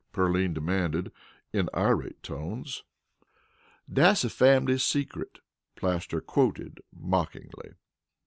Pearline demanded in irate tones. "Dat's a fambly secret," Plaster quoted mockingly.